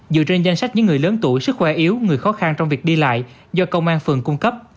dựa trên danh sách những người lớn tuổi sức khỏe yếu người khó khăn trong việc đi lại do công an phường cung cấp